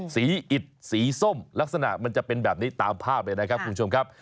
อิดสีส้มลักษณะมันจะเป็นแบบนี้ตามภาพเลยนะครับคุณผู้ชมครับ